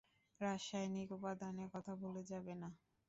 রাসায়নিক উপাদানের কথা ভুলে যাবে না।